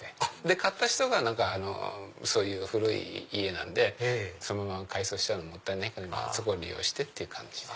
買った人がそういう古い家なんでそのまま改装しちゃうのもったいないからそこを利用してっていう感じで。